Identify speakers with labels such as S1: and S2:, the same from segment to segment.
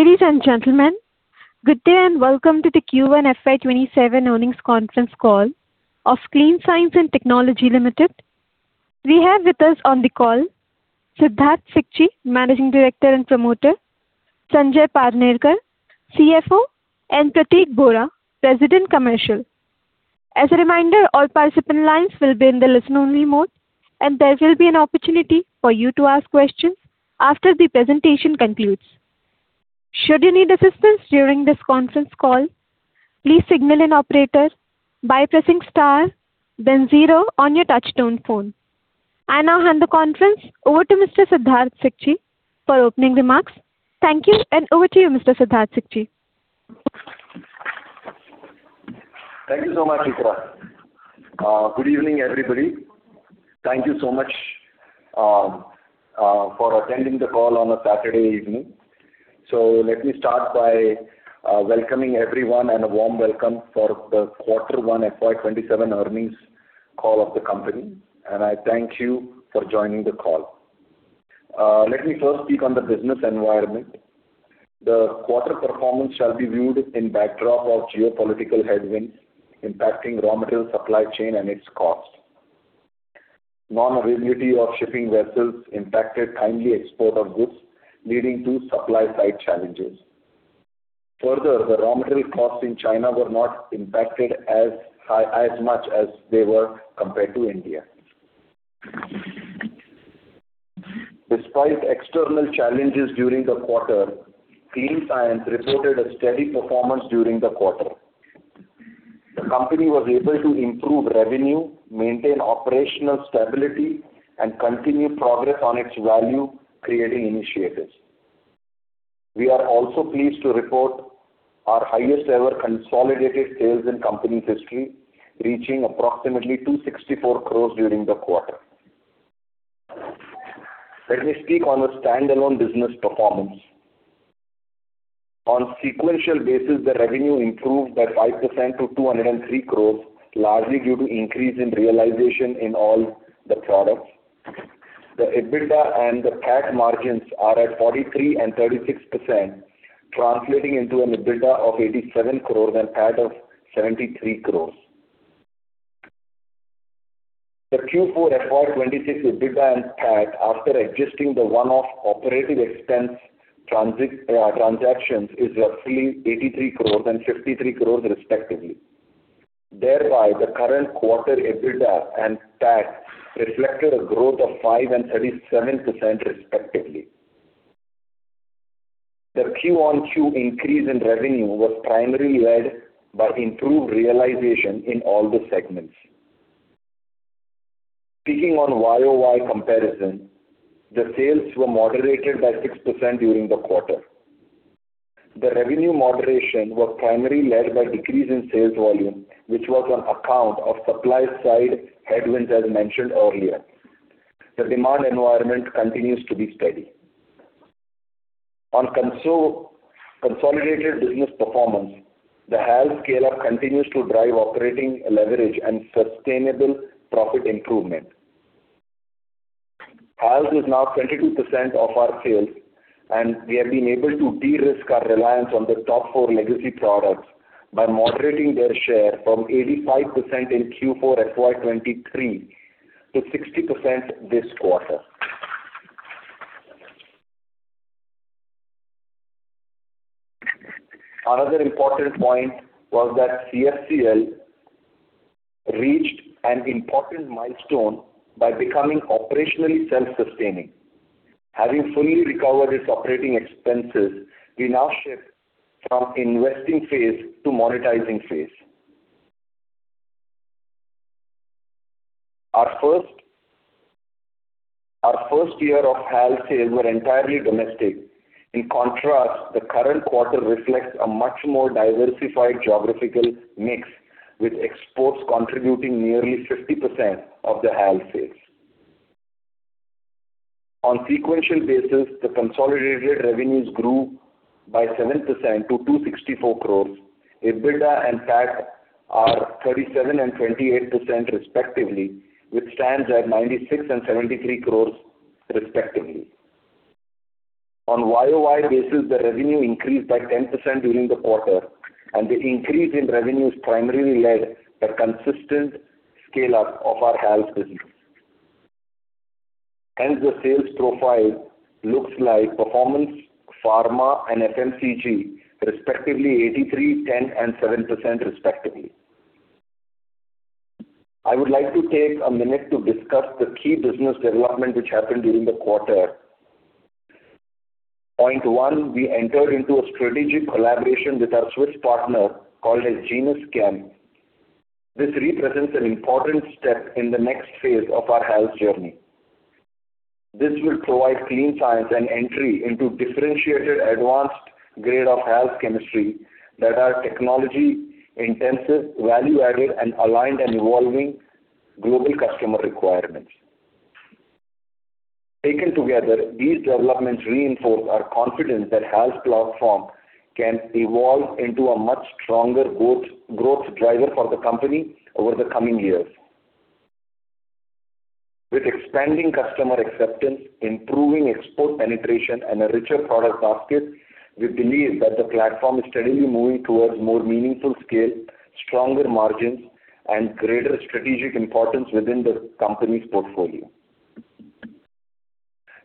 S1: Ladies and gentlemen, good day and welcome to the Q1 FY 2027 earnings conference call of Clean Science and Technology Limited. We have with us on the call Siddharth Sikchi, Managing Director and Promoter, Sanjay Parnerkar, CFO, and Pratik Bora, President Commercial. As a reminder, all participant lines will be in the listen-only mode, and there will be an opportunity for you to ask questions after the presentation concludes. Should you need assistance during this conference call, please signal an operator by pressing star then zero on your touchtone phone. I now hand the conference over to Mr. Siddharth Sikchi for opening remarks. Thank you, and over to you, Mr. Siddharth Sikchi.
S2: Thank you so much, Ikra. Good evening, everybody. Thank you so much for attending the call on a Saturday evening. Let me start by welcoming everyone and a warm welcome for the Quarter One FY 2027 earnings call of the company, and I thank you for joining the call. Let me first speak on the business environment. The quarter performance shall be viewed in backdrop of geopolitical headwinds impacting raw material supply chain and its cost. Non-availability of shipping vessels impacted timely export of goods, leading to supply side challenges. Further, the raw material costs in China were not impacted as much as they were compared to India. Despite external challenges during the quarter, Clean Science reported a steady performance during the quarter. The company was able to improve revenue, maintain operational stability, and continue progress on its value-creating initiatives. We are also pleased to report our highest-ever consolidated sales in company history, reaching approximately 264 crores during the quarter. Let me speak on the standalone business performance. On sequential basis, the revenue improved by 5% to 203 crores, largely due to increase in realization in all the products. The EBITDA and the PAT margins are at 43% and 36%, translating into an EBITDA of 87 crores and PAT of 73 crores. The Q4 FY 2026 EBITDA and PAT after adjusting the one-off operating expense transactions is roughly 83 crores and 63 crores respectively. Thereby, the current quarter EBITDA and PAT reflected a growth of 5% and 37% respectively. The QoQ increase in revenue was primarily led by improved realization in all the segments. Speaking on YoY comparison, the sales were moderated by 6% during the quarter. The revenue moderation was primarily led by decrease in sales volume, which was on account of supply side headwinds, as mentioned earlier. The demand environment continues to be steady. On consolidated business performance, the HALS scale-up continues to drive operating leverage and sustainable profit improvement. HALS is now 22% of our sales, and we have been able to de-risk our reliance on the top four legacy products by moderating their share from 85% in Q4 FY 2023 to 60% this quarter. Another important point was that CFCL reached an important milestone by becoming operationally self-sustaining. Having fully recovered its operating expenses, we now shift from investing phase to monetizing phase. Our first year of HALS sales were entirely domestic. In contrast, the current quarter reflects a much more diversified geographical mix, with exports contributing nearly 50% of the HALSsales. On sequential basis, the consolidated revenues grew by 7% to 264 crores. EBITDA and PAT are 37% and 28% respectively, which stands at 96 crores and 73 crores respectively. On YoY basis, the revenue increased by 10% during the quarter. The increase in revenue is primarily led by consistent scale-up of our HALS business. Hence, the sales profile looks like Performance, Pharma and FMCG, respectively 83%, 10% and 7% respectively. I would like to take a minute to discuss the key business development which happened during the quarter. Point one, we entered into a strategic collaboration with our Swiss partner called Geneus Chem. This represents an important step in the next phase of our HALS journey. This will provide Clean Science an entry into differentiated advanced grade of HALS chemistry that are technology-intensive, value-added, and aligned in evolving global customer requirements. Taken together, these developments reinforce our confidence that HALS platform can evolve into a much stronger growth driver for the company over the coming years. With expanding customer acceptance, improving export penetration, and a richer product basket, we believe that the platform is steadily moving towards more meaningful scale, stronger margins, and greater strategic importance within the company's portfolio.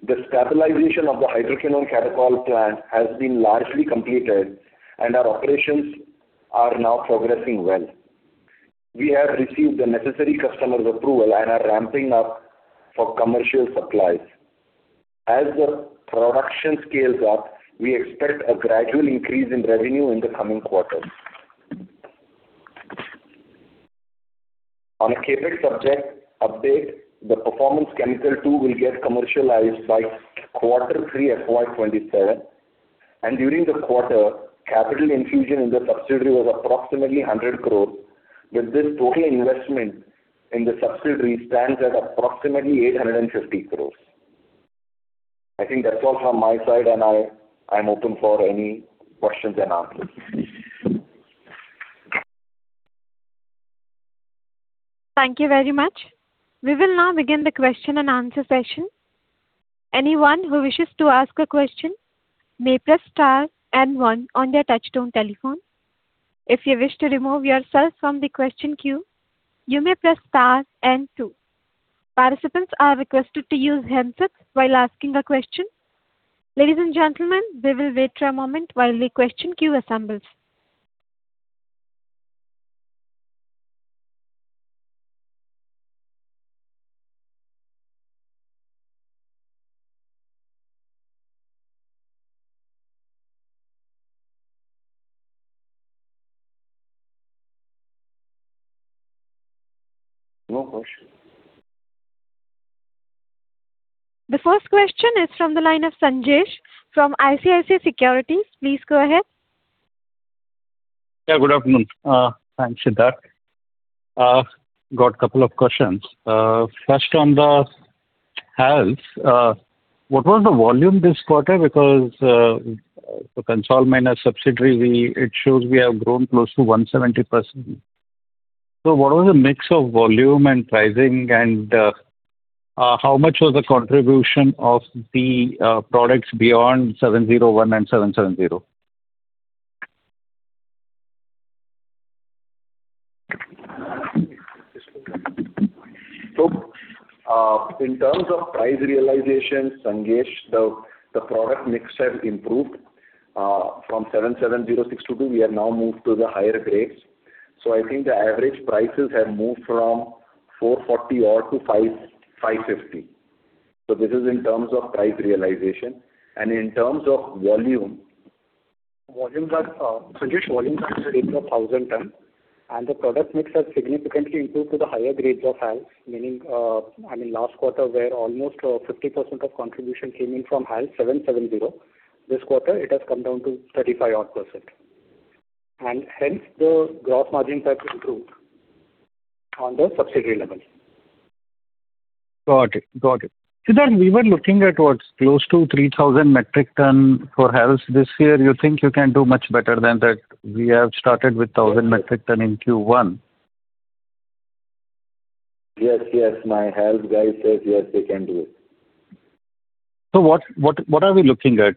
S2: The stabilization of the hydroquinone/catechol plant has been largely completed. Our operations are now progressing well. We have received the necessary customer's approval and are ramping up for commercial supplies. As the production scales up, we expect a gradual increase in revenue in the coming quarters. On a CapEx subject update, the Performance Chemical 2 will get commercialized by quarter three FY 2027. During the quarter, capital infusion in the subsidiary was approximately 100 crores, with this total investment in the subsidiary stands at approximately 850 crores. I think that is all from my side. I am open for any questions-and-answers.
S1: Thank you very much. We will now begin the question-and-answer session. Anyone who wishes to ask a question may press star and one on their touchtone telephone. If you wish to remove yourself from the question queue, you may press star and two. Participants are requested to use handsets while asking a question. Ladies and gentlemen, we will wait for a moment while the question queue assembles. The first question is from the line of Sanjesh from ICICI Securities. Please go ahead.
S3: Yeah, good afternoon. Thanks, Siddharth. Got a couple of questions. First, on the HALS, what was the volume this quarter? Because for consolidated minus subsidiary, it shows we have grown close to 170%. What was the mix of volume and pricing, and how much was the contribution of the products beyond 701 and 770?
S2: In terms of price realization, Sanjesh, the product mix has improved. From 770622, we have now moved to the higher grades. I think the average prices have moved from 440 odd to 550. This is in terms of price realization. In terms of volume, Sanjesh, volumes are in the range of 1,000 ton, and the product mix has significantly improved to the higher grades of HALS. I mean, last quarter where almost 50% of contribution came in from HALS 770. This quarter, it has come down to 35-odd percent, hence the gross margins have improved on the subsidiary level.
S3: Got it. Siddharth, we were looking at what's close to 3,000 metric ton for HALS this year. You think you can do much better than that? We have started with 1,000 metric ton in Q1.
S2: Yes. My HALS guy says yes, they can do it.
S3: What are we looking at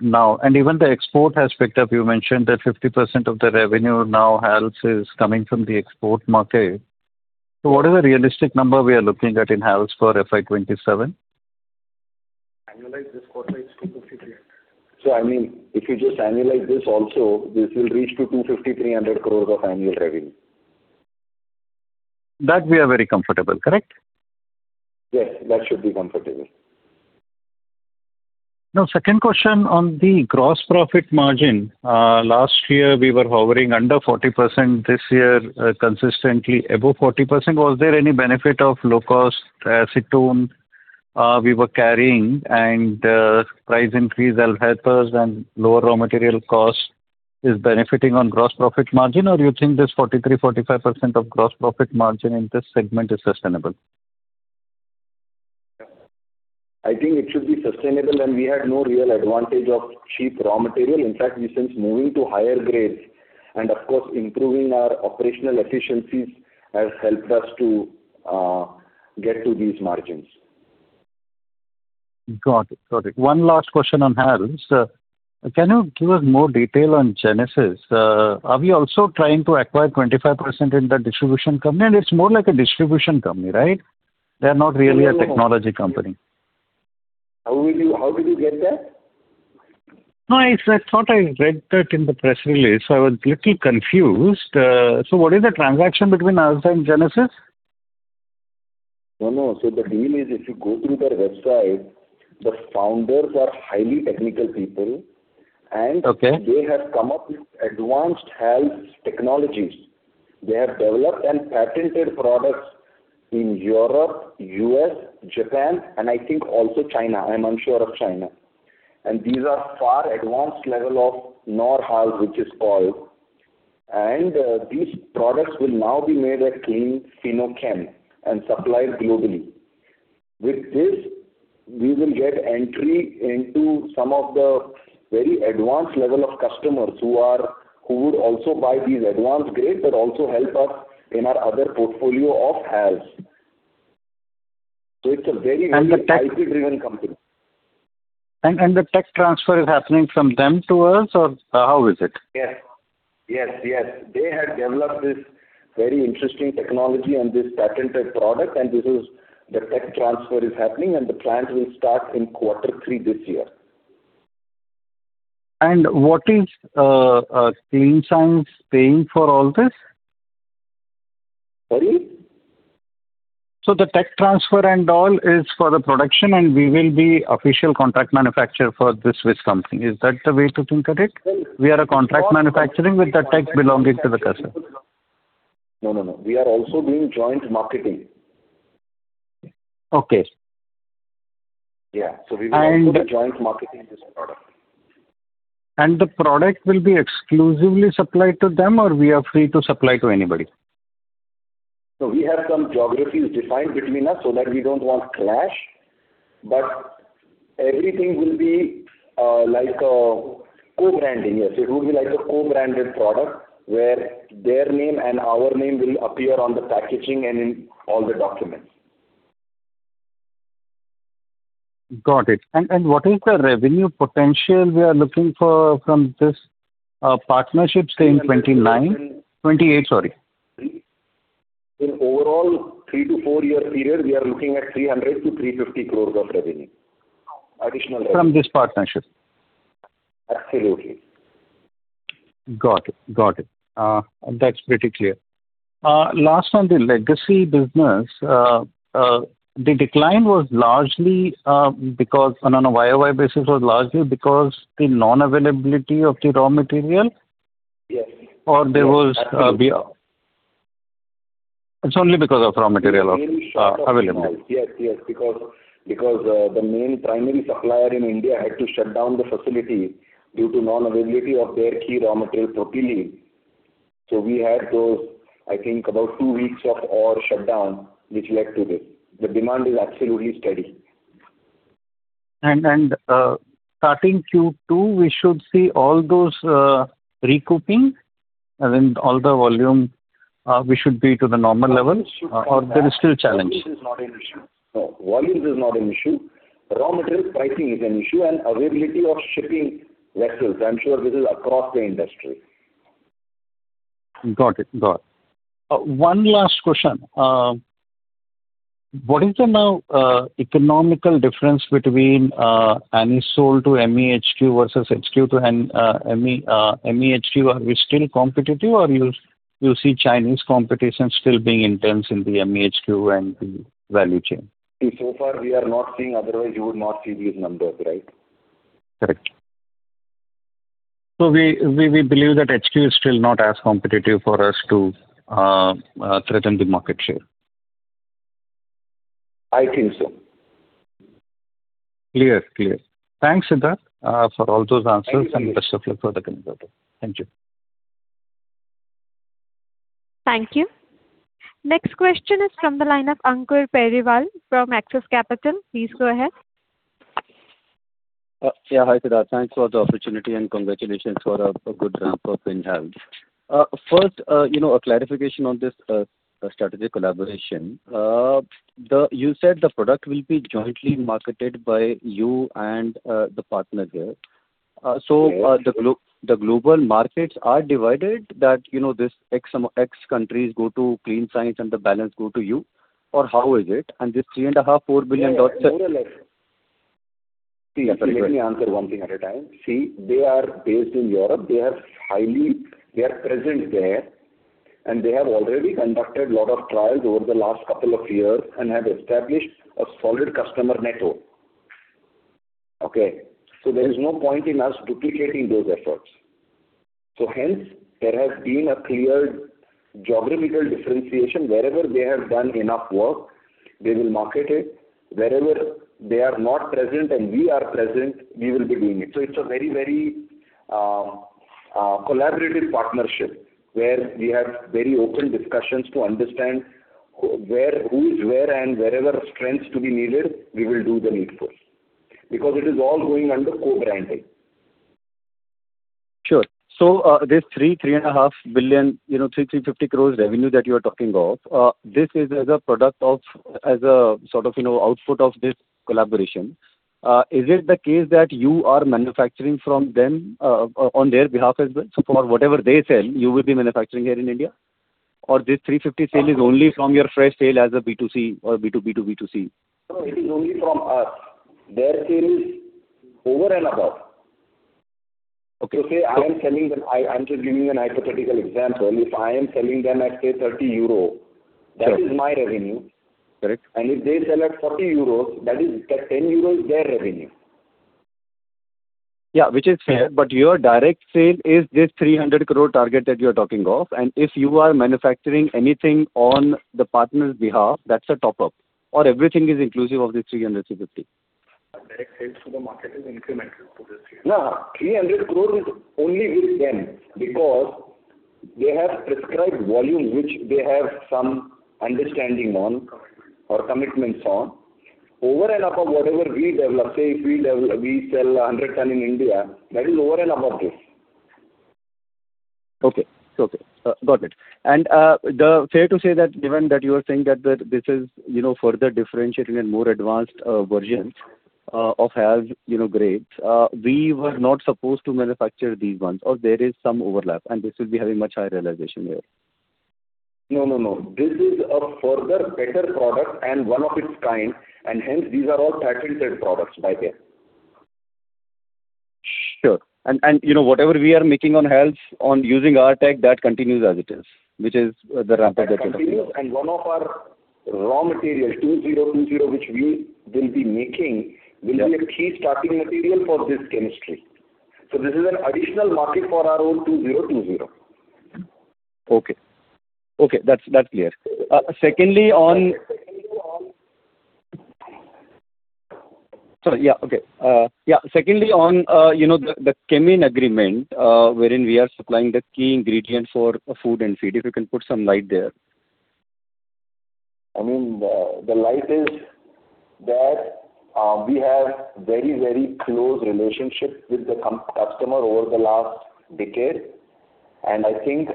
S3: now? Even the export has picked up. You mentioned that 50% of the revenue now HALS is coming from the export market. What is the realistic number we are looking at in HALS for FY 2027?
S2: Annualized this quarter is 253. If you just annualize this also, this will reach to 250 crore, 300 crore of annual revenue.
S3: That we are very comfortable, correct?
S2: Yes. That should be comfortable.
S3: Second question on the gross profit margin. Last year we were hovering under 40%, this year, consistently above 40%. Was there any benefit of low-cost acetone we were carrying, and price increase helpers and lower raw material cost is benefiting on gross profit margin? Or you think this 43%-45% of gross profit margin in this segment is sustainable?
S2: I think it should be sustainable, and we had no real advantage of cheap raw material. In fact, we since moving to higher grades, and of course, improving our operational efficiencies has helped us to get to these margins.
S3: Got it. One last question on HALS. Can you give us more detail on Geneus? Are we also trying to acquire 25% in the distribution company? It's more like a distribution company, right? They're not really a technology company.
S2: How did you get that?
S3: I thought I read that in the press release, I was little confused. What is the transaction between us and Geneus?
S2: The deal is, if you go through their website, the founders are highly technical people, and-
S3: Okay
S2: they have come up with advanced HALS technologies. They have developed and patented products in Europe, U.S., Japan, and I think also China. I'm unsure of China. These are far advanced level of NOR-HALS, which is oil. These products will now be made at Clean Fino-Chem and supplied globally. With this we will get entry into some of the very advanced level of customers who would also buy these advanced grades that also help us in our other portfolio of HALS.
S3: And the tech-
S2: IP-driven company.
S3: The tech transfer is happening from them to us, or how is it?
S2: Yes. They have developed this very interesting technology and this patented product. The tech transfer is happening. The plant will start in quarter three this year.
S3: What is Clean Science paying for all this?
S2: Sorry?
S3: The tech transfer and all is for the production. We will be official contract manufacturer for the Swiss company. Is that the way to think of it?
S2: No.
S3: We are a contract manufacturing with the tech belonging to the customer.
S2: No, we are also doing joint marketing.
S3: Okay.
S2: Yeah.
S3: And-
S2: Also doing joint marketing of this product.
S3: The product will be exclusively supplied to them, or we are free to supply to anybody?
S2: No, we have some geographies defined between us so that we don't want clash. Everything will be like a co-branding. Yes, it will be like a co-branded product where their name and our name will appear on the packaging and in all the documents.
S3: Got it. What is the revenue potential we are looking for from this partnership, say in 2029? 2028, sorry.
S2: In overall three to four-year period, we are looking at 300 crore to 350 crore of revenue. Additional revenue.
S3: From this partnership?
S2: Absolutely.
S3: Got it. That's pretty clear. Last, on the legacy business, the decline on a YoY basis was largely because the non-availability of the raw material?
S2: Yes.
S3: Or there was-
S2: Absolutely.
S3: It's only because of raw material-
S2: The main stock available. Yes. The main primary supplier in India had to shut down the facility due to non-availability of their key raw material, propylene. We had those, I think, about two weeks of our shutdown which led to this. The demand is absolutely steady.
S3: Starting Q2, we should see all those recouping and all the volume, we should be to the normal levels.
S2: Volumes should come back.
S3: There is still challenge?
S2: Volumes is not an issue. No. Volumes is not an issue. Raw material pricing is an issue and availability of shipping vessels. I'm sure this is across the industry.
S3: Got it. One last question. What is the now economical difference between Anisole-to-MEHQ versus HQ-to-MEHQ? Are we still competitive, or you see Chinese competition still being intense in the MEHQ and the value chain?
S2: See, so far we are not seeing, otherwise you would not see these numbers, right?
S3: We believe that HQ is still not as competitive for us to threaten the market share.
S2: I think so.
S3: Clear. Thanks, Siddharth, for all those answers.
S2: Thank you.
S3: Best of luck for the coming quarter. Thank you.
S1: Thank you. Next question is from the line of Ankur Periwal from Axis Capital. Please go ahead.
S4: Yeah. Hi, Siddharth. Thanks for the opportunity and congratulations for a good ramp-up in HALS. First, a clarification on this strategic collaboration. You said the product will be jointly marketed by you and the partner here.
S2: Yes.
S4: The global markets are divided that, this X countries go to Clean Science and the balance go to you? Or how is it? 3.5 billion, INR 4 billion-
S2: Yeah. More or less.
S4: Yes.
S2: See, let me answer one thing at a time. See, they are based in Europe. They are present there, and they have already conducted a lot of trials over the last couple of years and have established a solid customer network. Okay. There is no point in us duplicating those efforts. Hence, there has been a clear geographical differentiation. Wherever they have done enough work, they will market it. Wherever they are not present and we are present, we will be doing it. It's a very collaborative partnership where we have very open discussions to understand who is where and wherever strengths to be needed, we will do the need first. It is all going under co-branding.
S4: Sure. This 3.5 billion, 350 crore revenue that you're talking of, this is as a product of, as a sort of output of this collaboration. Is it the case that you are manufacturing from them on their behalf as well? For whatever they sell, you will be manufacturing here in India? Or this 350 sale is only from your fresh sale as a B2C or B2B to B2C?
S2: No, it is only from us. Their sale is over and above.
S4: Okay.
S2: Say I am selling them, I'm just giving you a hypothetical example. If I am selling them at, say, 30 euro.
S4: Sure
S2: That is my revenue.
S4: Correct.
S2: If they sell at 40 euros, that 10 euro is their revenue.
S4: Which is fair, your direct sale is this 300 crore target that you're talking of. If you are manufacturing anything on the partner's behalf, that's a top-up. Everything is inclusive of this 300, 350?
S2: Direct sales to the market is incremental to this INR 300. No, 300 crore is only with them because they have prescribed volume, which they have some understanding on.
S4: Commitment
S2: Commitments on over and above whatever we develop. Say, if we sell 100 tons in India, that is over and above this.
S4: Okay. Got it. Fair to say that given that you are saying that this is further differentiating and more advanced versions of HALS grades. We were not supposed to manufacture these ones or there is some overlap, and this will be having much higher realization here.
S2: No. This is a further better product and one of its kind. Hence these are all patented products by them.
S4: Sure. Whatever we are making on HALS on using our tech, that continues as it is, which is the ramp up that.
S2: That continues. One of our raw materials, 2020, which we will be making will be a key starting material for this chemistry. This is an additional market for our own 2020.
S4: Okay. That's clear. Sorry. Yeah. Okay. On the Kemin agreement, wherein we are supplying the key ingredient for food and feed, if you can put some light there.
S2: The light is that we have very close relationship with the customer over the last decade. I think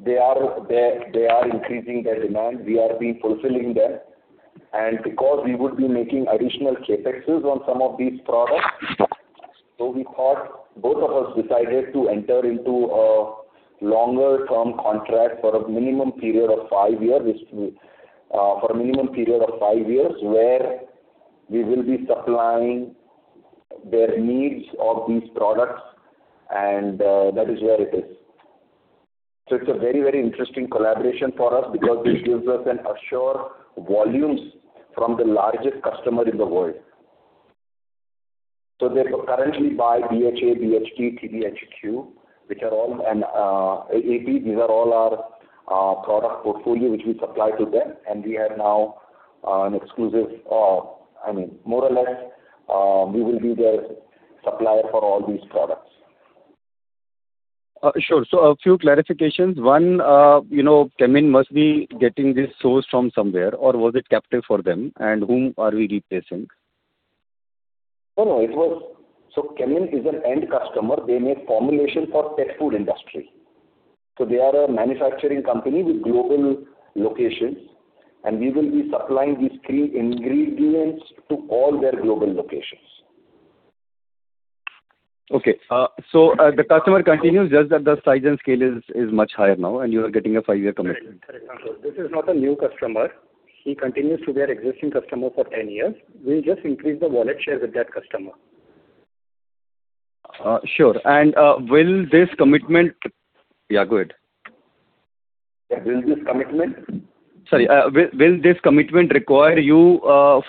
S2: they are increasing their demand. We are fulfilling them. Because we would be making additional CapEx on some of these products, both of us decided to enter into a longer-term contract for a minimum period of five years where we will be supplying their needs of these products. That is where it is. It's a very interesting collaboration for us because this gives us an assured volumes from the largest customer in the world. They currently buy BHA, BHT, TBHQ, and AP. These are all our product portfolio which we supply to them, and we are now an exclusive. More or less, we will be their supplier for all these products.
S4: Sure. A few clarifications. One, Kemin must be getting this sourced from somewhere, or was it captive for them? Whom are we replacing?
S2: No. Kemin is an end customer. They make formulation for pet food industry. They are a manufacturing company with global locations, we will be supplying these three ingredients to all their global locations.
S4: Okay. The customer continues just that the size and scale is much higher now and you are getting a five-year commitment.
S2: Correct. This is not a new customer. He continues to be our existing customer for 10 years. We just increase the wallet share with that customer.
S4: Sure. Will this commitment go ahead.
S2: Will this commitment?
S4: Sorry. Will this commitment require you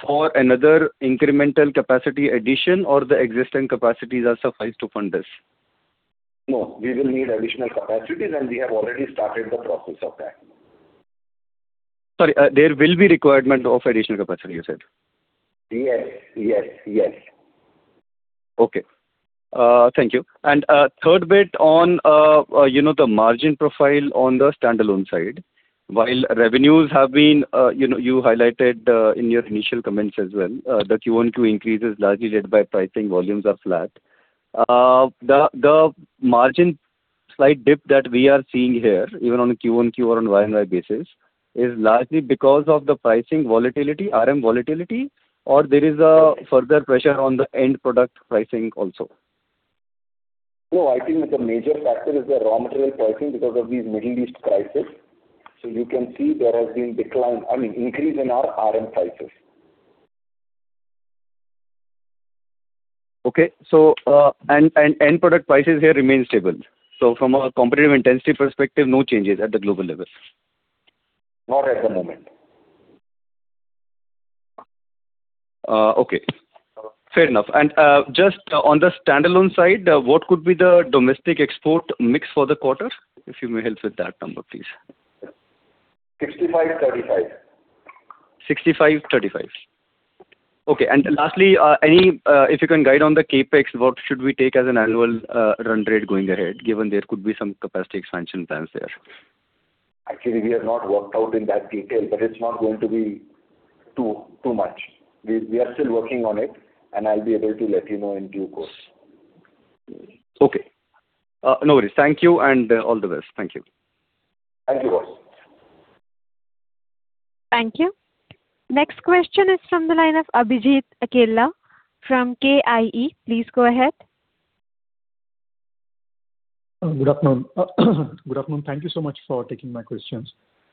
S4: for another incremental capacity addition or the existing capacities are suffice to fund this?
S2: No. We will need additional capacities and we have already started the process of that.
S4: Sorry, there will be requirement of additional capacity, you said.
S2: Yes.
S4: Okay. Thank you. Third bit on the margin profile on the standalone side. While revenues have been, you highlighted in your initial comments as well, the Q1, Q2 increase is largely led by pricing. Volumes are flat. The margin slight dip that we are seeing here, even on a Q1 run year-on-year basis, is largely because of the pricing volatility, RM volatility, or there is a further pressure on the end product pricing also?
S2: No, I think that the major factor is the raw material pricing because of this Middle East crisis. You can see there has been decline, I mean, increase in our RM prices.
S4: Okay. End product prices here remain stable. From a competitive intensity perspective, no changes at the global level.
S2: Not at the moment.
S4: Okay. Fair enough. Just on the standalone side, what could be the domestic export mix for the quarter? If you may help with that number, please.
S2: 65/35.
S4: 65/35. Okay. Lastly, if you can guide on the CapEx, what should we take as an annual run rate going ahead, given there could be some capacity expansion plans there?
S2: Actually, we have not worked out in that detail, but it's not going to be too much. We are still working on it, and I'll be able to let you know in due course.
S4: Okay. No worries. Thank you and all the best. Thank you.
S2: Thank you.
S1: Thank you. Next question is from the line of Abhijit Akella from KIE. Please go ahead.
S5: Good afternoon. Thank you so much for taking my questions.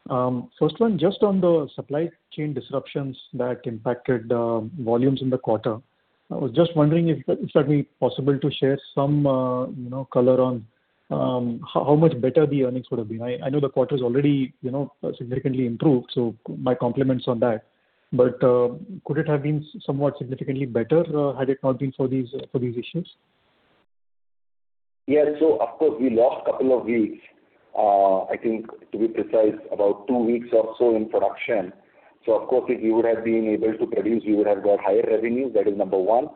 S5: First one, just on the supply chain disruptions that impacted volumes in the quarter. I was just wondering if that be possible to share some color on how much better the earnings would have been. I know the quarter's already significantly improved, so my compliments on that. Could it have been somewhat significantly better had it not been for these issues?
S2: Yes. Of course, we lost couple of weeks. I think to be precise, about two weeks or so in production. Of course, if we would have been able to produce, we would have got higher revenues. That is number one.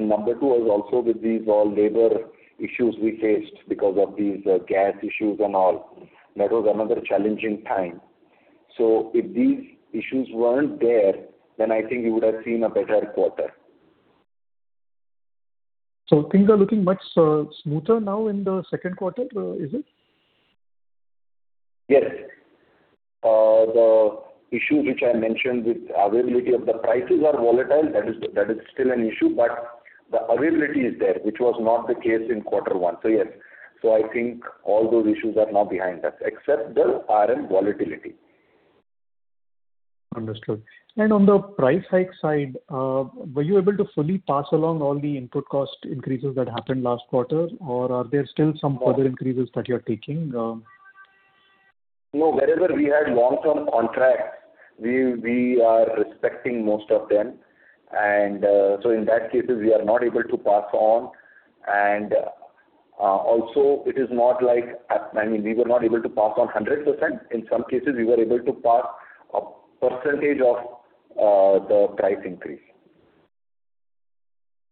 S2: Number two was also with these labor issues we faced because of these gas issues and all. That was another challenging time. If these issues weren't there, then I think you would have seen a better quarter.
S5: Things are looking much smoother now in the second quarter, is it?
S2: Yes. The issue which I mentioned with availability of the prices are volatile, that is still an issue, but the availability is there, which was not the case in Q1. Yes. I think all those issues are now behind us, except the RM volatility.
S5: Understood. On the price hike side, were you able to fully pass along all the input cost increases that happened last quarter, or are there still some further increases that you're taking?
S2: No. Wherever we had long-term contracts, we are respecting most of them. In that cases, we are not able to pass on, and also it is not like We were not able to pass on 100%. In some cases, we were able to pass a percentage of the price increase.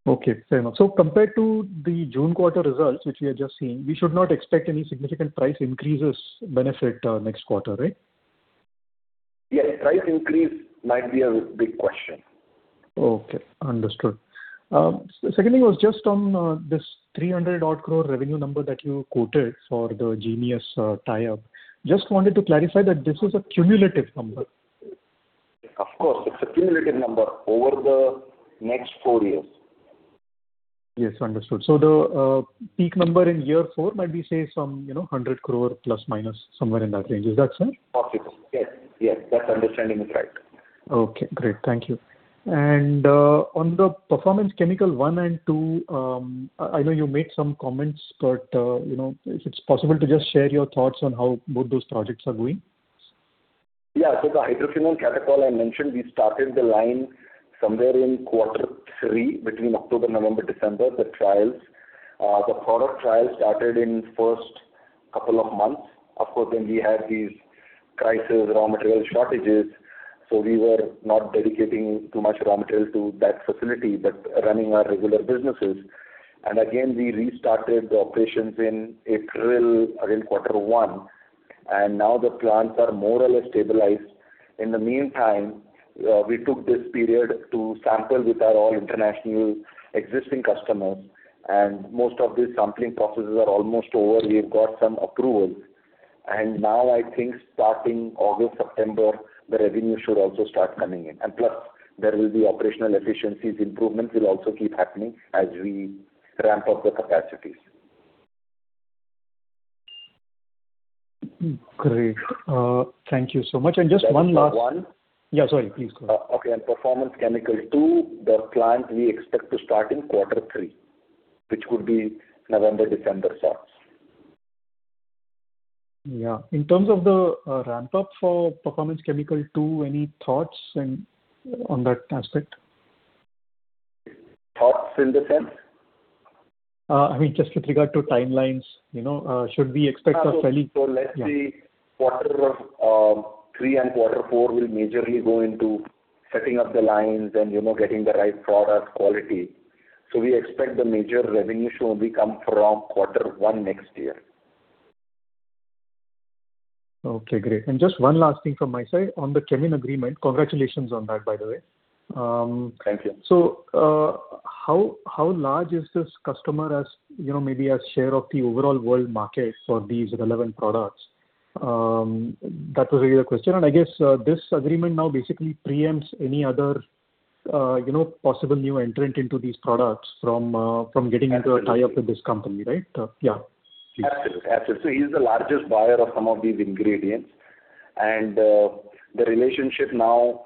S5: Okay, fair enough. Compared to the June quarter results, which we have just seen, we should not expect any significant price increases benefit next quarter, right?
S2: Yes, price increase might be a big question.
S5: Understood. On this 300 odd crore revenue number that you quoted for the Geneus tie-up, just wanted to clarify that this was a cumulative number.
S2: Of course, it's a cumulative number over the next four years.
S5: Yes, understood. The peak number in year four might be, say, some 100 crore ±, somewhere in that range. Is that correct?
S2: Possible. Yes. That understanding is right.
S5: Okay, great. Thank you. On the Performance Chemical 1 and 2, I know you made some comments, but if it's possible to just share your thoughts on how both those projects are going.
S2: The hydroquinone catechol I mentioned, we started the line somewhere in Q3, between October, November, December, the trials. The product trial started in first couple of months. Of course, when we had these crisis, raw material shortages. We were not dedicating too much raw material to that facility, but running our regular businesses. Again, we restarted the operations in April, around Q1. Now the plants are more or less stabilized. In the meantime, we took this period to sample with our all international existing customers. Most of these sampling processes are almost over. We've got some approvals. Now I think starting August, September, the revenue should also start coming in. Plus, there will be operational efficiencies, improvements will also keep happening as we ramp up the capacities.
S5: Great. Thank you so much.
S2: One more.
S5: Yeah, sorry. Please go on.
S2: Okay. Performance Chemical 2, the plant we expect to start in Q3, which would be November, December starts.
S5: Yeah. In terms of the ramp up for Performance Chemical II, any thoughts on that aspect?
S2: Thoughts in the sense?
S5: Just with regard to timelines. Should we expect a fairly-
S2: Let's say Q3 and Q4 will majorly go into setting up the lines and getting the right product quality. We expect the major revenue should only come from Q1 next year.
S5: Okay, great. Just one last thing from my side. On the Kemin agreement, congratulations on that, by the way.
S2: Thank you.
S5: How large is this customer as maybe a share of the overall world market for these relevant products? That was really the question. I guess this agreement now basically preempts any other possible new entrant into these products from getting into a tie-up with this company, right? Yeah. Please.
S2: Absolutely. He's the largest buyer of some of these ingredients, and the relationship now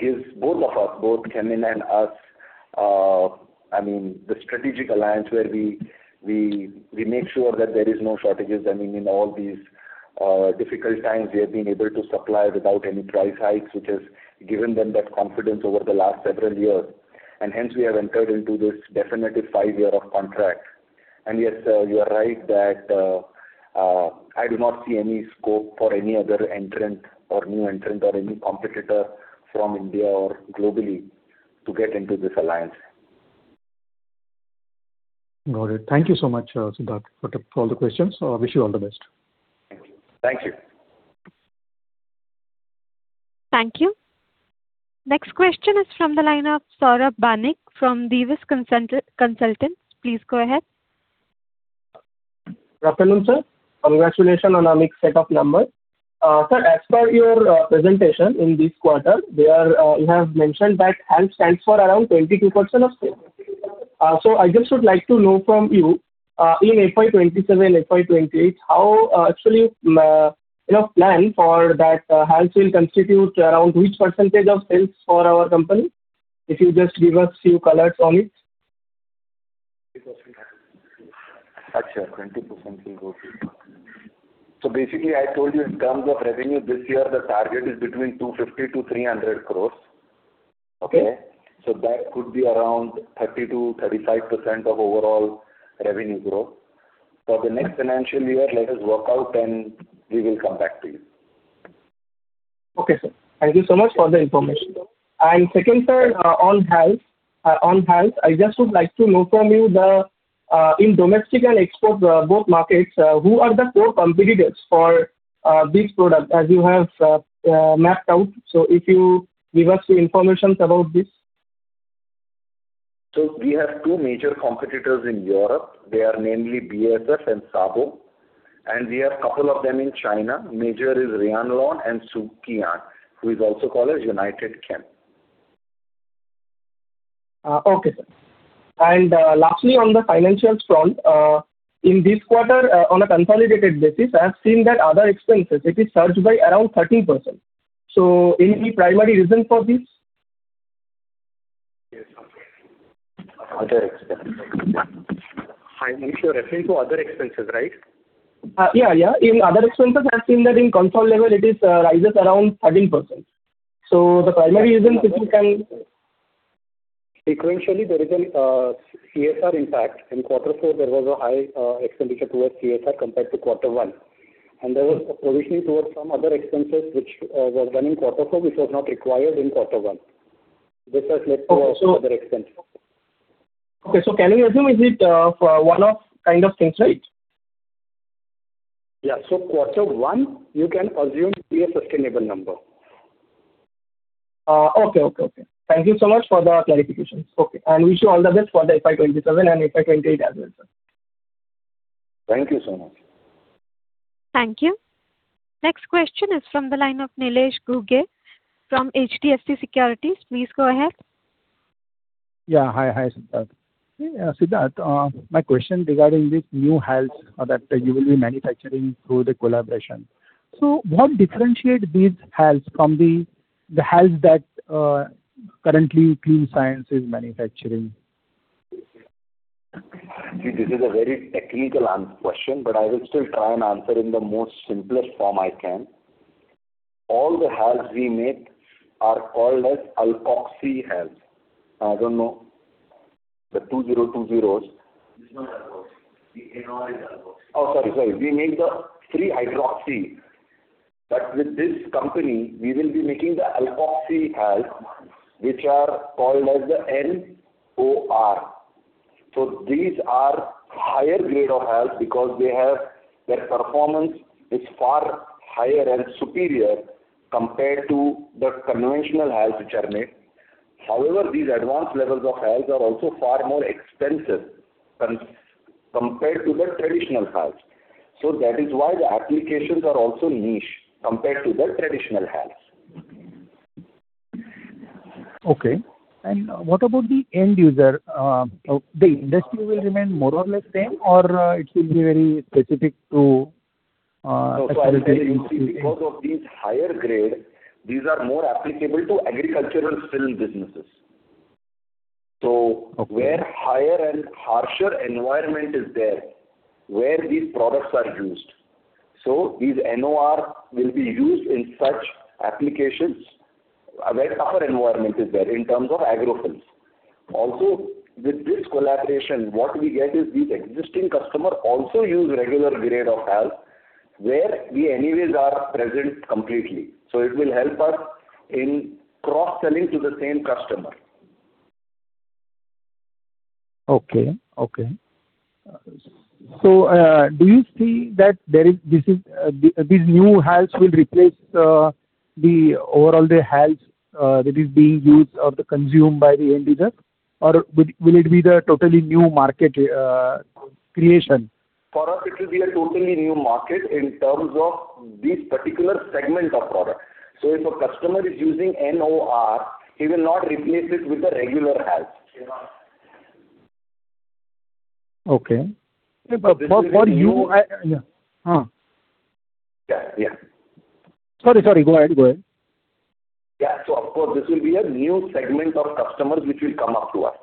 S2: gives both of us, both Kemin and us, the strategic alliance where we make sure that there is no shortages. In all these difficult times, we have been able to supply without any price hikes, which has given them that confidence over the last several years. Hence we have entered into this definitive five-year of contract. Yes, you are right that I do not see any scope for any other entrant or new entrant or any competitor from India or globally to get into this alliance.
S5: Got it. Thank you so much, Siddharth, for all the questions. Wish you all the best.
S2: Thank you.
S1: Thank you. Next question is from the line of Saurabh Banik from Divas Consultants. Please go ahead.
S6: Good afternoon, sir. Congratulations on a mixed set of numbers. I just would like to know from you, in FY 2027, FY 2028, how actually you plan for that HALS will constitute around which percentage of sales for our company? If you just give us few colors on it.
S2: Basically, I told you in terms of revenue this year, the target is between 250 crore to 300 crore.
S6: Okay.
S2: That could be around 30%-35% of overall revenue growth. For the next financial year, let us work out and we will come back to you.
S6: Okay, sir. Thank you so much for the information. Second part on HALS. On HALS, I just would like to know from you, in domestic and export, both markets, who are the core competitors for this product as you have mapped out? If you give us the information about this.
S2: We have two major competitors in Europe. They are namely BASF and SABO, and we have couple of them in China. Major is Rianlon and Suqian, who is also called as Unitechem.
S6: Okay, sir. Lastly, on the financials front, in this quarter, on a consolidated basis, I have seen that other expenses, it is surged by around 13%. Any primary reason for this?
S2: Yes. Okay. Other expenses. You're referring to other expenses, right?
S6: Yeah. In other expenses, I've seen that in consolidated level, it rises around 13%.
S2: Sequentially, there is a CSR impact. In quarter four, there was a high expenditure towards CSR compared to quarter one, and there was a provisioning towards some other expenses which was done in quarter four, which was not required in quarter one. This has led to also other expenses.
S6: Okay. Can we assume is it one-off kind of things, right?
S2: quarter 1, you can assume be a sustainable number.
S6: Okay. Thank you so much for the clarifications. Okay. Wish you all the best for the FY 2027 and FY 2028 as well, sir.
S2: Thank you so much.
S1: Thank you. Next question is from the line of Nilesh Ghuge from HDFC Securities. Please go ahead.
S7: Hi, Siddharth. Siddharth, my question regarding this new HALS that you will be manufacturing through the collaboration. What differentiates these HALS from the HALS that currently Clean Science is manufacturing?
S2: See, this is a very technical question, I will still try and answer in the most simplest form I can. All the HALS we make are called as alkoxy HALS. I don't know, the two zero two zeros. It's not alkoxy. The NOR is alkoxy. Oh, sorry. We make the three-hydroxy. With this company, we will be making the alkoxy HALS, which are called as the NOR. These are higher grade of HALS because their performance is far higher and superior compared to the conventional HALS which are made. However, these advanced levels of HALS are also far more expensive compared to the traditional HALS. That is why the applications are also niche compared to the traditional HALS.
S7: Okay. What about the end user? The industry will remain more or less same, or it will be very specific to-
S2: As I tell you, because of these higher grade, these are more applicable to agricultural film businesses.
S7: Okay.
S2: Where higher and harsher environment is there, where these products are used. These NOR will be used in such applications where tougher environment is there in terms of agro films. With this collaboration, what we get is these existing customer also use regular grade of HALS where we anyways are present completely. It will help us in cross-selling to the same customer.
S7: Okay. Do you see that these new HALS will replace the overall HALS that is being used or consumed by the end user, or will it be the totally new market creation?
S2: For us, it will be a totally new market in terms of this particular segment of product. If a customer is using NOR, he will not replace it with the regular HALS. He cannot.
S7: Okay. For you
S2: Yeah.
S7: Sorry. Go ahead.
S2: Yeah. Of course, this will be a new segment of customers which will come up to us.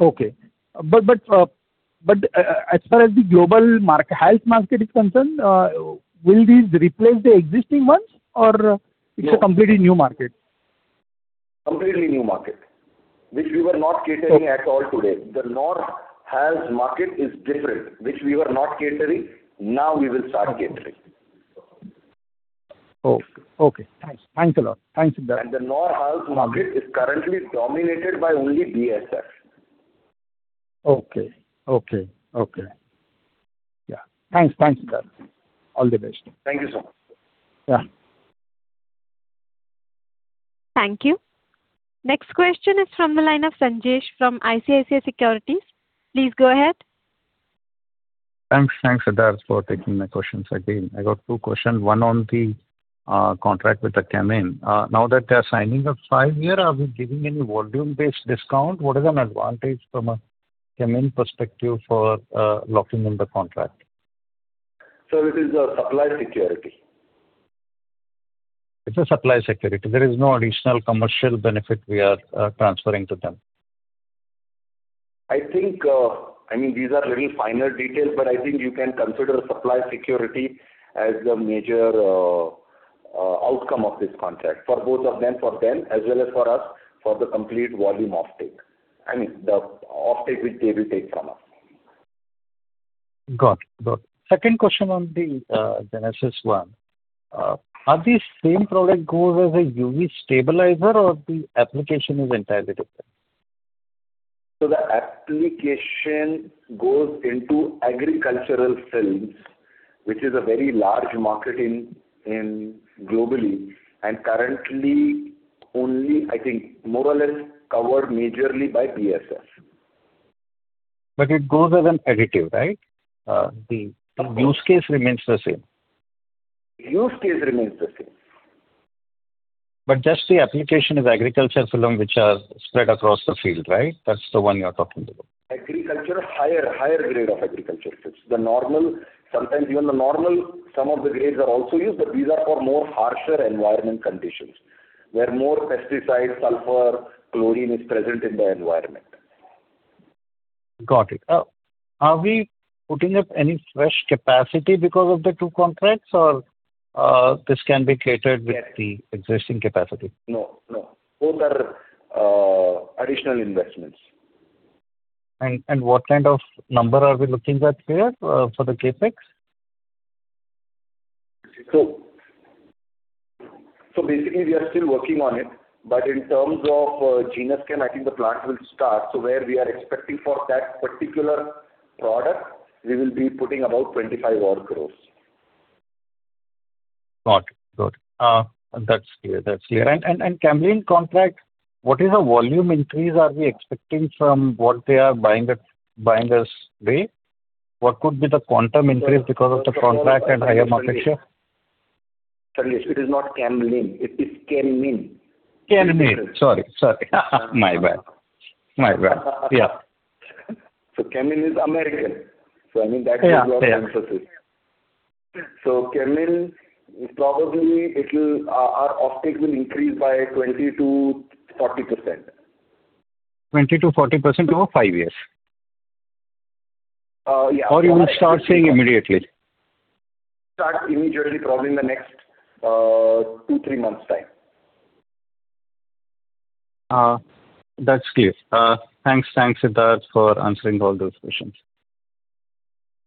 S7: Okay. As far as the global HALS market is concerned, will these replace the existing ones, or it's a completely new market?
S2: Completely new market, which we were not catering at all today. The NOR HALS market is different, which we were not catering. Now we will start catering.
S7: Okay. Thanks a lot. Thanks, Siddharth.
S2: The NOR HALS market is currently dominated by only BASF.
S7: Okay. Yeah. Thanks, Siddharth. All the best.
S2: Thank you so much.
S7: Yeah.
S1: Thank you. Next question is from the line of Sanjesh from ICICI Securities. Please go ahead.
S3: Thanks, Siddharth, for taking my questions again. I got two question, one on the contract with the Kemin. Now that they are signing a five-year, are we giving any volume-based discount? What is an advantage from a Kemin perspective for locking in the contract?
S2: Sir, it is a supply security.
S3: It's a supply security. There is no additional commercial benefit we are transferring to them.
S2: I think these are very finer details, I think you can consider supply security as a major outcome of this contract for both of them, for them as well as for us, for the complete volume offtake. I mean, the offtake which they will take from us
S3: Got it. Second question on the Geneus one. Are these same product goes as a UV stabilizer or the application is entirely different?
S2: The application goes into agricultural films, which is a very large market globally, and currently only, I think, more or less covered majorly by BASF.
S3: It goes as an additive, right? The use case remains the same.
S2: Use case remains the same.
S3: just the application is agriculture film, which are spread across the field, right? That's the one you are talking about.
S2: Higher grade of agricultural films. Sometimes even the normal, some of the grades are also used, these are for more harsher environment conditions, where more pesticides, sulfur, chlorine is present in the environment.
S3: Got it. Are we putting up any fresh capacity because of the two contracts, or this can be catered with the existing capacity?
S2: No. Both are additional investments.
S3: What kind of number are we looking at here for the CapEx?
S2: Basically, we are still working on it, but in terms of Geneus Chem, I think the plant will start. Where we are expecting for that particular product, we will be putting about 25 million.
S3: Got it. Good. That's clear. Cambrian contract, what is the volume increase are we expecting from what they are buying as we? What could be the quantum increase because of the contract and higher market share?
S2: Sir, it is not Cambrian, it is Kemin.
S3: Kemin. Sorry, my bad. Yeah.
S2: Kemin is American. I mean that.
S3: Yeah
S2: is your emphasis. Kemin, probably our offtake will increase by 20%-40%.
S3: 20%-40% over five years.
S2: Yeah.
S3: You will start seeing immediately?
S2: Start immediately, probably in the next two, three months' time.
S3: That's clear. Thanks, Siddharth, for answering all those questions.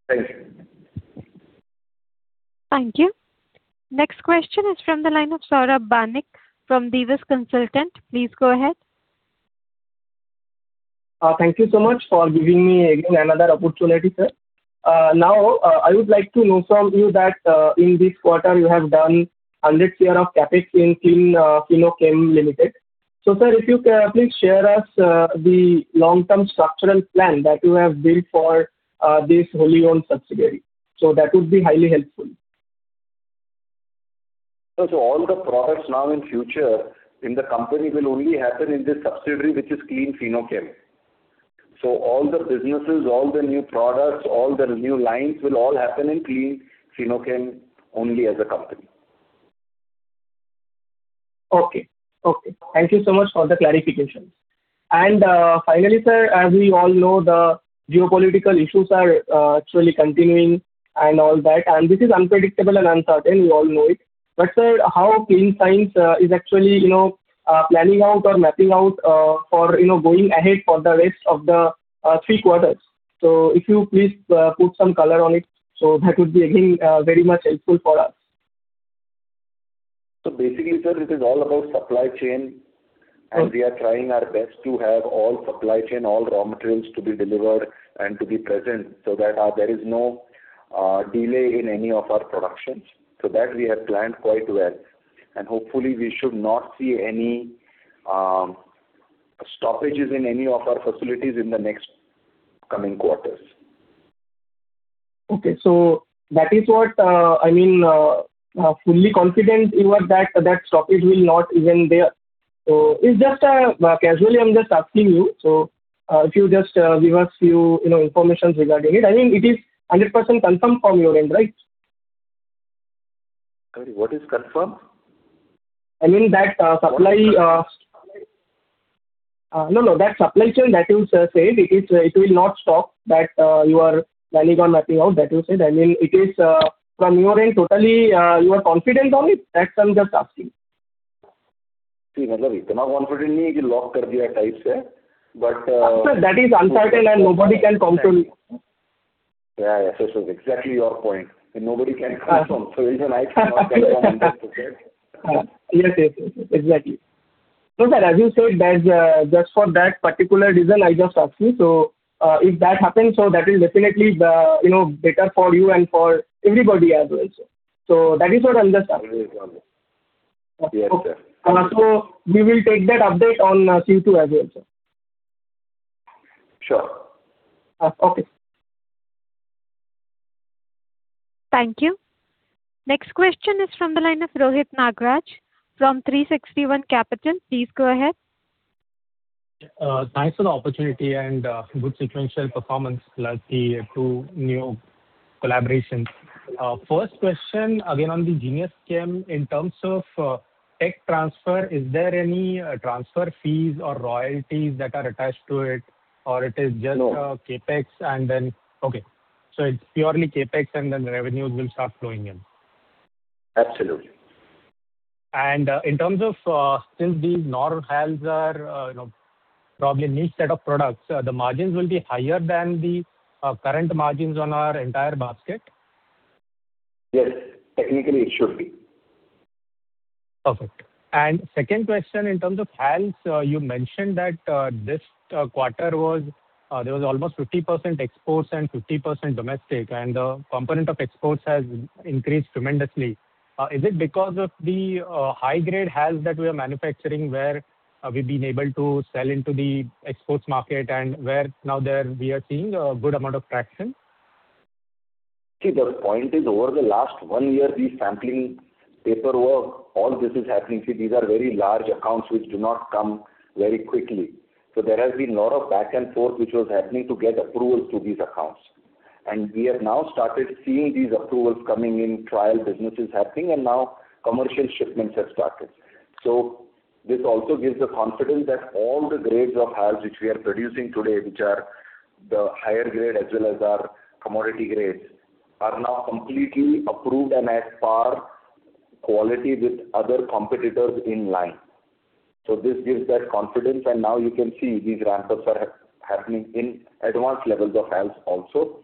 S2: Thank you.
S1: Thank you. Next question is from the line of Saurabh Banik from Divas Consultants. Please go ahead.
S6: Thank you so much for giving me again another opportunity, sir. I would like to know from you that in this quarter you have done 100 crore of CapEx in Clean Fino-Chem Limited. Sir, if you please share us the long-term structural plan that you have built for this wholly owned subsidiary. That would be highly helpful.
S2: All the products now in future in the company will only happen in this subsidiary, which is Clean Fino-Chem. All the businesses, all the new products, all the new lines will all happen in Clean Fino-Chem only as a company.
S6: Okay. Thank you so much for the clarification. Finally, sir, as we all know, the geopolitical issues are actually continuing and all that. This is unpredictable and uncertain, we all know it, but sir, how Clean Science is actually planning out or mapping out for going ahead for the rest of the three quarters. If you please put some color on it, so that would be, again, very much helpful for us.
S2: Basically, sir, it is all about supply chain-
S6: Okay
S2: We are trying our best to have all supply chain, all raw materials to be delivered and to be present so that there is no delay in any of our productions. That we have planned quite well, and hopefully we should not see any stoppages in any of our facilities in the next coming quarters.
S6: Okay. That is what, I mean, fully confident you are that stoppage will not even there. It's just casually I'm just asking you. If you just give us few information regarding it. I mean, it is 100% confirmed from your end, right?
S2: Sorry, what is confirmed?
S6: I mean that supply No, that supply chain that you said, it will not stop. That you are planning on mapping out, that you said. I mean, it is from your end totally, you are confident on it? That's I'm just asking. That is uncertain, and nobody can confirm.
S2: Yeah. Exactly your point. That nobody can confirm. Even I cannot confirm that, okay?
S6: Yes. Exactly. Sir, as you said, just for that particular reason, I just asked you. If that happens, so that will definitely, better for you and for everybody as well. That is what I'm just asking.
S2: Yes.
S6: Okay. We will take that update on Q2 as well, sir.
S2: Sure.
S6: Okay.
S1: Thank you. Next question is from the line of Rohit Nagraj from 360 ONE Capital. Please go ahead.
S8: Thanks for the opportunity, good sequential performance plus the two new collaborations. First question, again on the Geneus Chem. In terms of tech transfer, is there any transfer fees or royalties that are attached to it or it is just
S2: No
S8: CapEx. It's purely CapEx and then revenues will start flowing in.
S2: Absolutely.
S8: In terms of, since these NOR-HALS are probably a new set of products, the margins will be higher than the current margins on our entire basket?
S2: Yes. Technically, it should be.
S8: Perfect. Second question, in terms of HALS, you mentioned that this quarter, there was almost 50% exports and 50% domestic, and the component of exports has increased tremendously. Is it because of the high-grade HALS that we are manufacturing, where we've been able to sell into the exports market and where now we are seeing a good amount of traction?
S2: See, the point is, over the last one year, the sampling paperwork, all this is happening. See, these are very large accounts which do not come very quickly. There has been a lot of back and forth, which was happening to get approvals to these accounts. We have now started seeing these approvals coming in, trial businesses happening, and now commercial shipments have started. This also gives the confidence that all the grades of HALS which we are producing today, which are the higher grade as well as our commodity grades, are now completely approved and at par quality with other competitors in line. This gives that confidence, and now you can see these ramp-ups are happening in advanced levels of HALS also.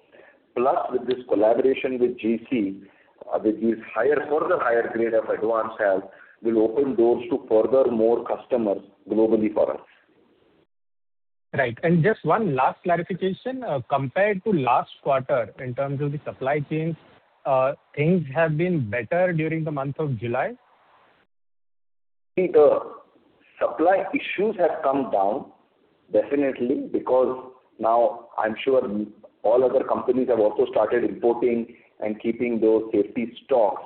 S2: With this collaboration with GC, these further higher grade of advanced HALS will open doors to further more customers globally for us.
S8: Right. Just one last clarification. Compared to last quarter, in terms of the supply chains, things have been better during the month of July?
S2: The supply issues have come down, definitely, because now I'm sure all other companies have also started importing and keeping those safety stocks.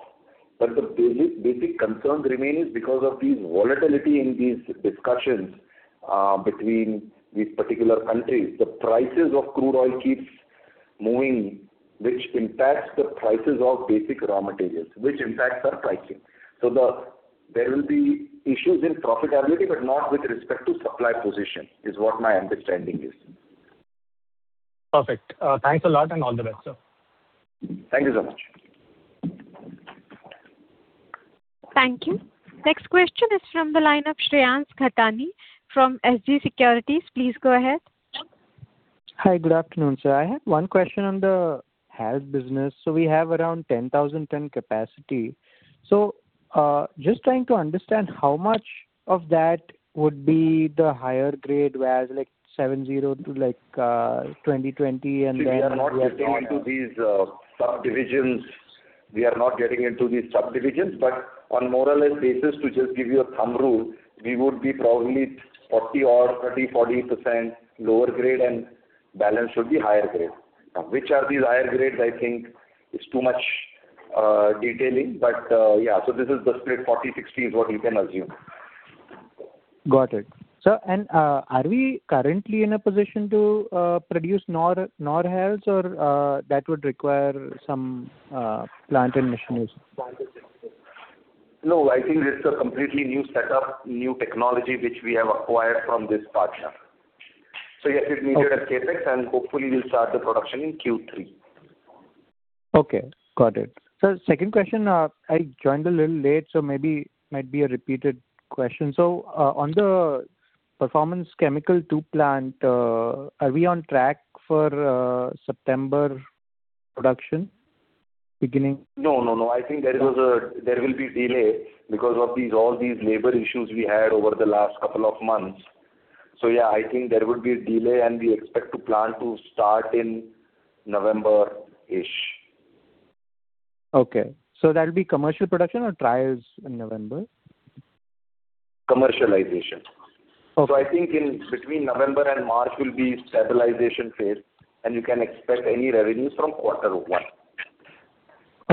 S2: The basic concern remaining is because of these volatility in these discussions between these particular countries. The prices of crude oil keeps moving, which impacts the prices of basic raw materials, which impacts our pricing. There will be issues in profitability, but not with respect to supply position, is what my understanding is.
S8: Perfect. Thanks a lot, and all the best, sir.
S2: Thank you so much.
S1: Thank you. Next question is from the line of Shreyans Khatani from SG Securities. Please go ahead.
S9: Hi. Good afternoon, sir. I have one question on the HALS business. We have around 10,000 ton capacity. Just trying to understand how much of that would be the higher grade, whereas like HALS 702 LS 2020.
S2: We are not getting into these subdivisions, but on more or less basis, to just give you a thumb rule, we would be probably 30%-40% lower grade, and balance would be higher grade. Which are these higher grades, I think is too much detailing. Yeah. This is the split, 40/60 is what you can assume.
S9: Got it. Sir, are we currently in a position to produce NOR-HALS, or that would require some plant and machineries?
S2: I think this is a completely new setup, new technology which we have acquired from this partner. Yes, we've made it a CapEx, and hopefully we'll start the production in Q3.
S9: Okay. Got it. Sir, second question. I joined a little late, maybe might be a repeated question. On the Performance Chemical 2 plant, are we on track for September production beginning?
S2: I think there will be delay because of all these labor issues we had over the last couple of months. Yeah, I think there would be a delay, and we expect the plant to start in November-ish.
S9: Okay. That'll be commercial production or trials in November?
S2: Commercialization.
S9: Okay.
S2: I think in between November and March will be stabilization phase, and you can expect any revenue from quarter one.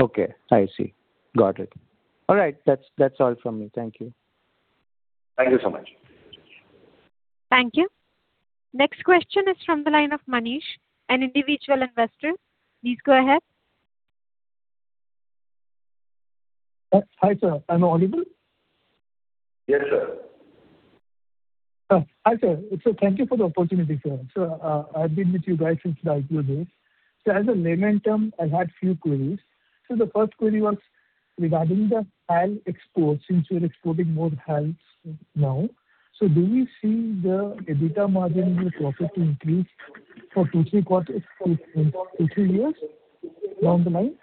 S9: Okay. I see. Got it. All right. That's all from me. Thank you.
S2: Thank you so much.
S1: Thank you. Next question is from the line of Manish, an individual investor. Please go ahead.
S10: Hi, sir. Am I audible?
S2: Yes, sir.
S10: Hi, sir. Thank you for the opportunity, sir. I've been with you guys since the IPO days. As a layman term, I had few queries. The first query was regarding the HALS exports, since you're exporting more HALS now. Do we see the EBITDA margin or profit increase for two, three quarters in two, three years down the line?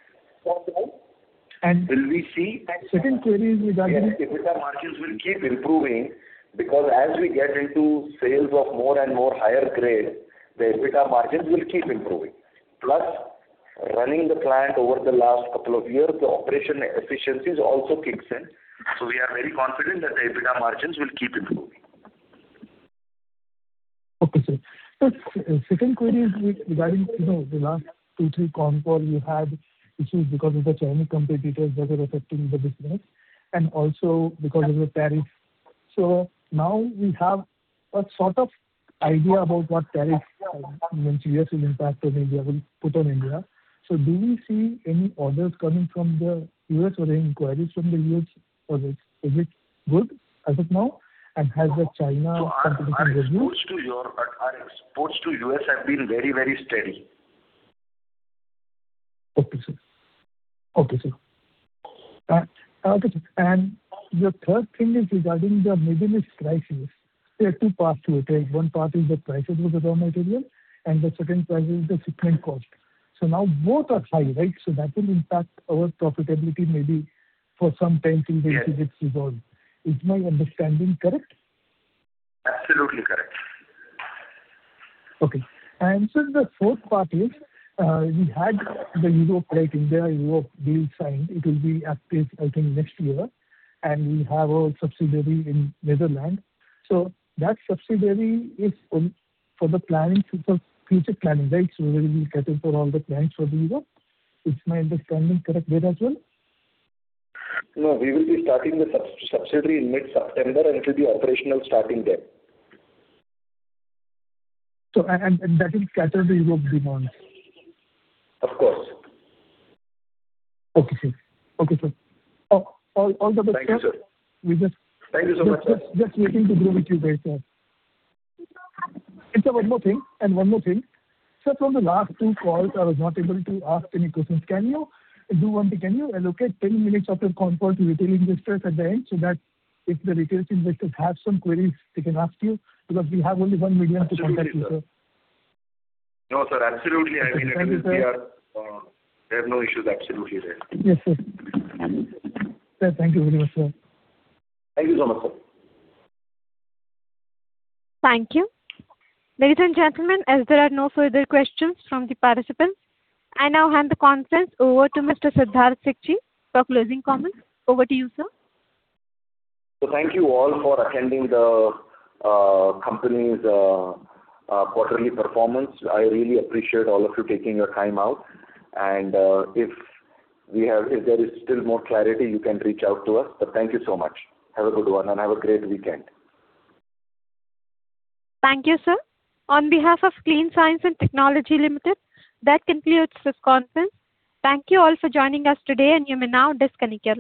S2: Will we see-
S10: Second query is regarding.
S2: Yes. EBITDA margins will keep improving because as we get into sales of more and more higher grade, the EBITDA margins will keep improving. Plus, running the plant over the last couple of years, the operation efficiencies also kicks in. We are very confident that the EBITDA margins will keep improving.
S10: Okay, sir. Second query is regarding the last two, three con calls you had, which is because of the Chinese competitors that are affecting the business and also because of the tariffs. Now we have a sort of idea about what tariffs will impact on India, will put on India. Do we see any orders coming from the U.S. or any inquiries from the U.S.? Or is it good as of now? Has the China competition reduced?
S2: Our exports to U.S. have been very steady.
S10: Okay, sir. The third thing is regarding the magnesium prices. There are two parts to it. One part is the prices of the raw material, and the second price is the shipment cost. Now both are high, that will impact our profitability maybe for some time till the
S2: Yes
S10: issue gets resolved. Is my understanding correct?
S2: Absolutely correct.
S10: Okay. Sir, the fourth part is, we had the Europe deal signed. It will be active, I think, next year. We have a subsidiary in Netherlands. That subsidiary is for future planning, where we will cater for all the plants for Europe. Is my understanding correct there as well?
S2: No, we will be starting the subsidiary in mid-September, and it will be operational starting then.
S10: That will cater the Europe demands.
S2: Of course.
S10: Okay, sir. All the best.
S2: Thank you, sir. Thank you so much, sir.
S10: Just waiting to deal with you guys there. Sir, one more thing. Sir, from the last two calls I was not able to ask any questions. Can you allocate 10 minutes of the call to retail investors at the end so that if the retail investors have some queries, they can ask you? Because we have only one medium to contact you, sir.
S2: No, sir. Absolutely. I mean, if we are, there are no issues. Absolutely there.
S10: Yes, sir. Sir, thank you very much, sir.
S2: Thank you so much, sir.
S1: Thank you. Ladies and gentlemen, as there are no further questions from the participants, I now hand the conference over to Mr. Siddharth Sikchi for closing comments. Over to you, sir.
S2: Thank you all for attending the company's quarterly performance. I really appreciate all of you taking your time out. If there is still more clarity, you can reach out to us. Thank you so much. Have a good one, and have a great weekend.
S1: Thank you, sir. On behalf of Clean Science and Technology Limited, that concludes this conference. Thank you all for joining us today, and you may now disconnect your lines.